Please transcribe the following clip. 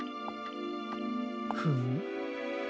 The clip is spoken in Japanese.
フム？